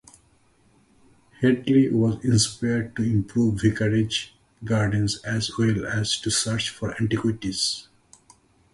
Hedley was inspired to improve vicarage gardens as well as to search for antiquities.